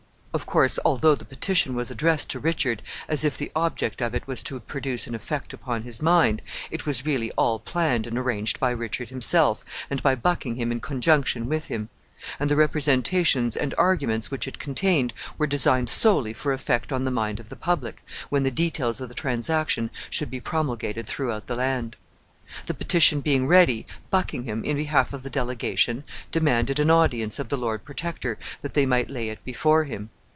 Of course, although the petition was addressed to Richard as if the object of it was to produce an effect upon his mind, it was really all planned and arranged by Richard himself, and by Buckingham in conjunction with him; and the representations and arguments which it contained were designed solely for effect on the mind of the public, when the details of the transaction should be promulgated throughout the land. The petition being ready, Buckingham, in behalf of the delegation, demanded an audience of the Lord Protector that they might lay it before him.